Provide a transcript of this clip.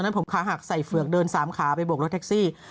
นั้นผมขาหักใส่เฝือกเดิน๓ขาไปบวกรถแท็กซี่